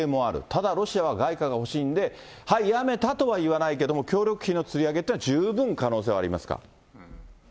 ただロシアは外貨が欲しいんで、はい、やめたとは言わないけれども、協力費のつり上げというのは十分可能性はありますか？